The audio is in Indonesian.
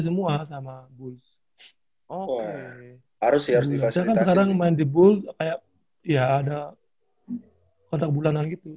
saya kan sekarang main di bull kayak ya ada kontak bulanan gitu